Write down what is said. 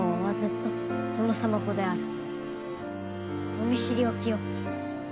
お見知りおきを。